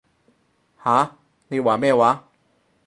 吓？你話咩話？